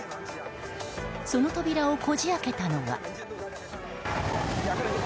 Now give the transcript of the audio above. その扉をこじ開けたのは。